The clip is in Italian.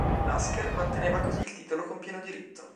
Lasker manteneva così il titolo con pieno diritto.